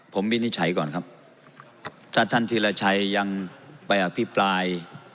ผมวินิจฉัยก่อนครับถ้าท่านธีรชัยยังไปอภิปราย